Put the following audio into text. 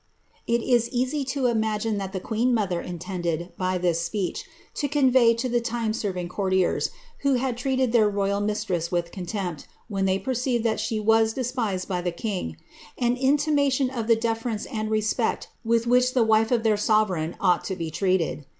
' It is easy to imagine that the queen mother intended, by this speech, to convey to the time serving courtiers, who had treated their royal mistress with contempt, when they perceived that she wag despised by the king, an intimation of the deference and res^pcct with ^hich the wife of their sovereign ought to be treated.